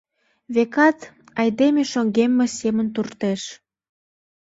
Векат, айдеме шоҥгемме семын туртеш.